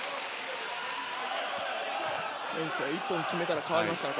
１本決めたら変わりますからね。